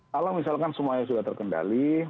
kalau misalkan semuanya sudah terkendali